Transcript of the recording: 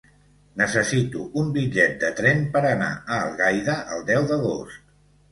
Necessito un bitllet de tren per anar a Algaida el deu d'agost.